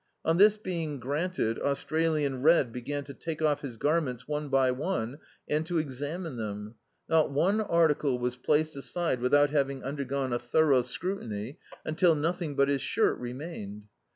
On this being granted, Australian Red began to take off his garments one by one, and to examine them. Not one article was placed aside without having imdei^one a thorough scrutiny, imtil nothing but his shirt remained.